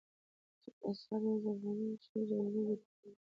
چې پر سر يې زرغونې او شنې جنډې رپېدلې.